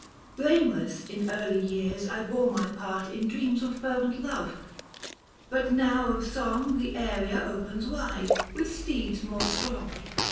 Blameless in early years I bore my part In dreams of fervent love ; but now of song The area opens wide, with steeds more strong.